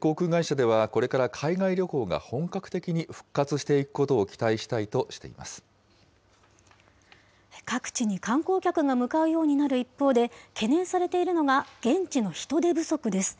航空会社では、これから海外旅行が本格的に復活していくことを期各地に観光客が向かうようになる一方で、懸念されているのが現地の人手不足です。